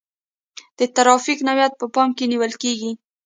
د ترافیک نوعیت په پام کې نیول کیږي